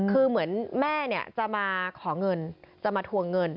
คือเหมือนแม่จะมาขอเงินจะมาทวงเงิน